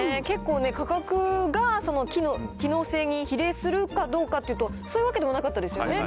結構ね、価格が機能性に比例するかどうかというと、そういうわけでもなかったですよね。